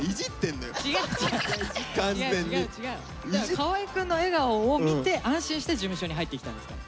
河合くんの笑顔を見て安心して事務所に入ってきたんですから。